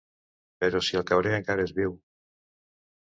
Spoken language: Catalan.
Però si el Cabré encara és viu!